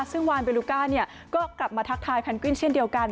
ซึ่งวานเบลูก้าก็กลับมาทักทายแนนกวินเช่นเดียวกัน